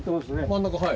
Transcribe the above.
真ん中はい。